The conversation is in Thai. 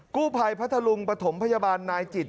กู้ภัยพัทธลุงปฐมพยาบาลนายจิต